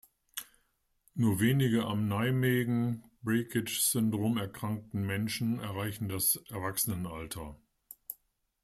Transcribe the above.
Nur wenige am Nijmegen-Breakage-Syndrom erkrankten Menschen erreichen das Erwachsenenalter.